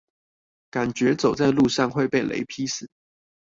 感覺走在路上會被雷劈死